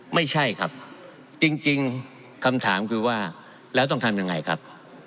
ไม่ใช่ครับจริงคำถามคือว่าแล้วต้องทำยังไงครับ